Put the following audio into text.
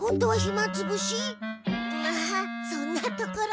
まあそんなところ。